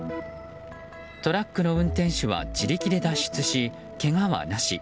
トラックの運転手は自力で脱出しけがはなし。